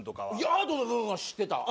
アートの部分は知ってた。